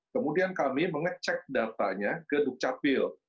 kemudian kami mengecek datanya ke dukcapil